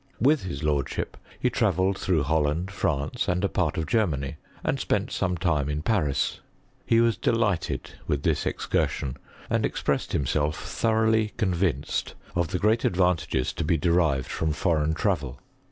With his lordship he travelled tlirough Holland^ France, and a part of Germany, and spent some time in Paris. He was delighted with this excur sion, and expressed himself thoroughly convinced of the great advantages to be derived from foreign travel.